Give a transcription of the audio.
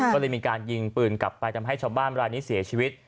ก็เลยมีการยิงปืนกลับไปทำให้ชาวบ้านรายนี้เสียชีวิต